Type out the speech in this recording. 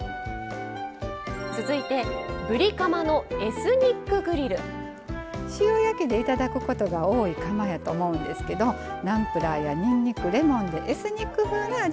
続いて塩焼きで頂くことが多いカマやと思うんですけどナムプラーやにんにくレモンでエスニック風な味付けにします。